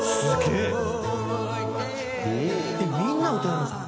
「えっみんな歌えるんですか？」